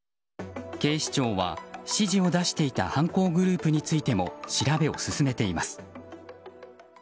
警視庁は指示を出していた犯行グループについても調べを進めています。